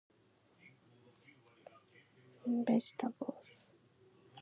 [background speech] Vegetables.